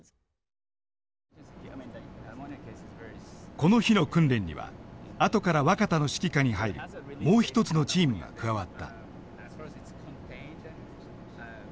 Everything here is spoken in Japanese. この日の訓練には後から若田の指揮下に入るもう一つのチームが加わった。